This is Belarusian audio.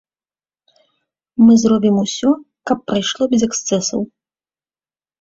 Мы зробім усё, каб прайшло без эксцэсаў.